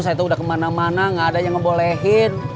saya tuh udah kemana mana gak ada yang ngebolehin